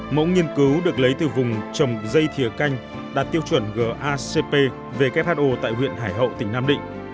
mẫu nghiên cứu được lấy từ vùng trồng dây thiều canh đạt tiêu chuẩn gacp who tại huyện hải hậu tỉnh nam định